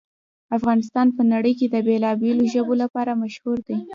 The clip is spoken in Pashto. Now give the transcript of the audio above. افغانستان په نړۍ کې د بېلابېلو ژبو لپاره مشهور دی.